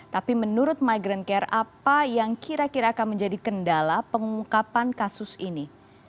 tapi menurut migrant care apa yang kira kira akan menjadi kendala pengungkapan kasus ini